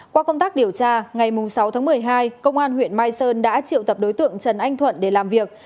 qua công tác điều tra ngày sáu tháng một mươi hai công an huyện mai sơn đã triệu tập đối tượng trần anh thuận để làm việc